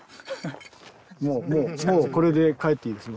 もうもうもうこれで帰っていいです。